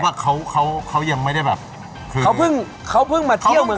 เพราะว่าเขายังไม่ได้แบบ